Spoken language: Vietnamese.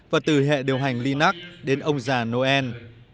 và từ hệ điều hành linak đến ông già noel